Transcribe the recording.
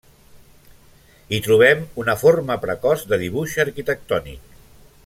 Hi trobem una forma precoç de dibuix arquitectònic.